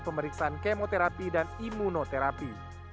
pemeriksaan kemoterapi dan imunoterapi